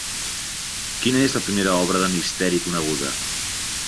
Quina és la primera obra de misteri coneguda?